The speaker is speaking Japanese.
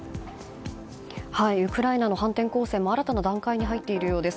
ウクライナの反転攻勢も新たな段階に入っているようです。